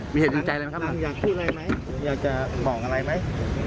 มีเหตุจริงใจอะไรไหมครับอยากพูดอะไรไหมอยากจะบอกอะไรไหม